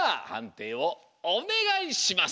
ていをおねがいします。